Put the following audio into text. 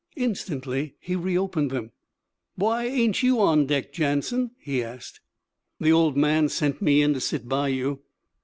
Instantly he reopened them. 'Why ain't you on deck, Jansen?' he asked. 'The Old Man sent me in to sit by you.'